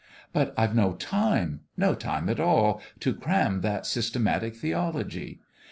But I've no time no time at all to cram that systematic theology.